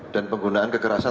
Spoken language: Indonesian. dan penggunaan kekerasan